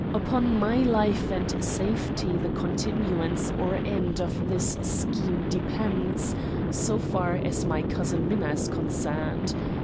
Upon my life and safety the continuance or end of this scheme depends, so far as my cousin Minna is concerned.